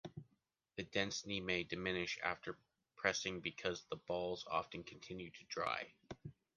The density may diminish after pressing because the balls often continue to dry.